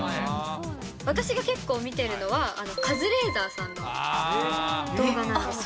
私が結構見てるのは、カズレーザーさんの動画なんですよ。